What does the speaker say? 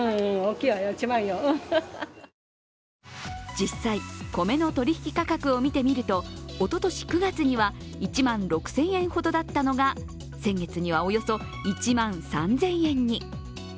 実際米の取引価格を見てみるとおととし９月には１万６０００円ほどだったのが先月にはおよそ１万３０００円に。